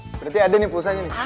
berarti ada nih pulsanya nih